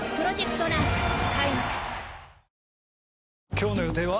今日の予定は？